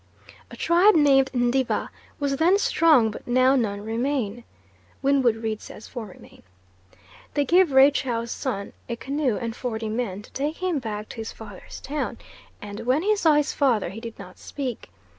"A tribe named Ndiva was then strong but now none remain (Winwood Reade says four remain). They gave Raychow's son a canoe and forty men, to take him back to his father's town, and when he saw his father he did not speak.